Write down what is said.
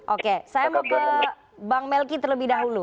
oke saya mau ke bang melki terlebih dahulu